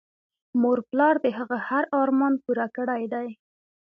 مور پلار د هغه هر ارمان پوره کړی دی